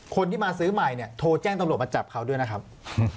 คนที่มาซื้อใหม่เนี่ยโทรแจ้งตำรวจมาจับเขาด้วยนะครับ